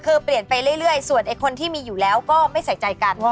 คือเปลี่ยนไปเรื่อยส่วนไอ้คนที่มีอยู่แล้วก็ไม่ใส่ใจกัน